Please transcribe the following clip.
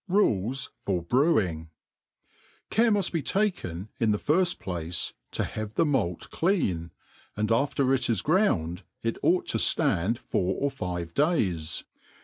RULES for BREWING. CARE muft be takeri^ in the firft place, to have the malt dean ; and aftbr it id ground^ it ought to ftand four or five days.